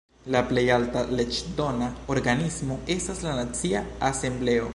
La plej alta leĝdona organismo estas la Nacia Asembleo.